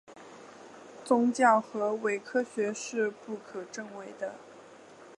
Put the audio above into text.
宗教和伪科学是不可证伪的。